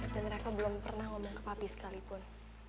dan reva belum pernah ngomong ke papi sekalipun